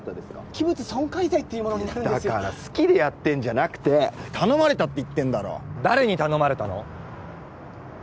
器物損壊罪っていうものになるだから好きでやってんじゃなくて頼まれたって言ってんだろ誰に頼まれたの？